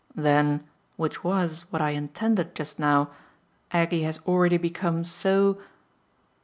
"Then which was what I intended just now Aggie has already become so